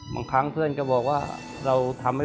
บางครั้งเพื่อนก็บอกว่าเราทำให้